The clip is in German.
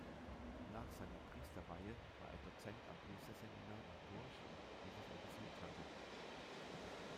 Nach seiner Priesterweihe war er Dozent am Priesterseminar in Bourges, welches er besucht hatte.